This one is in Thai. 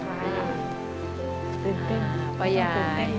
ตื่นเต้นป้ายาย